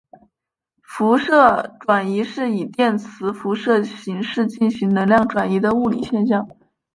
辐射转移是以电磁辐射形式进行能量转移的物理现象。